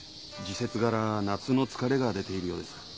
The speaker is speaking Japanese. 時節柄夏の疲れが出ているようです。